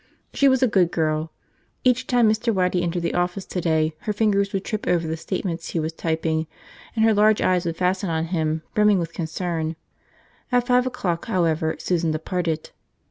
She was a good girl. Each time Mr. Waddy entered the office today her fingers would trip over the statements she was typing, and her large eyes would fasten on him, brimming with concern. At five o'clock, however, Susan departed.